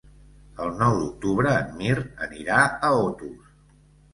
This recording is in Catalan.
El nou d'octubre en Mirt anirà a Otos.